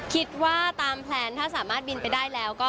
คิดว่าตามแพลนถ้าสามารถบินไปได้แล้วก็